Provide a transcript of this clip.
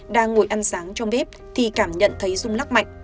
đang ngồi ăn sáng trong bếp thì cảm nhận thấy rung lắc mạnh